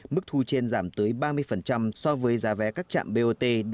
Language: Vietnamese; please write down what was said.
mức thu trên giảm tới ba mươi so với giá vé các trạm bot